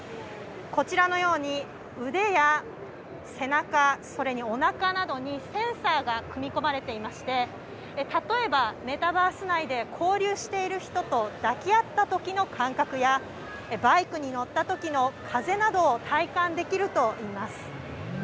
こちらのように、腕や背中、それにおなかなどにセンサーが組み込まれていまして、例えばメタバース内で交流している人と抱き合ったときの感覚や、バイクに乗ったときの風などを体感できるといいます。